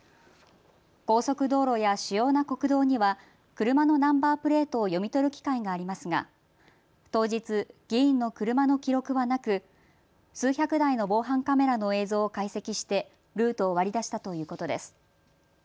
高速道路や主要な国道には車のナンバープレートを読み取る機械がありますが当日、議員の車の記録はなく数百台の防犯カメラの映像を解析してルートを割り出したということです。